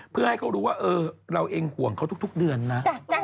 เพื่อให้เขารู้ว่าเราเองห่วงเขาทุกเดือนนะ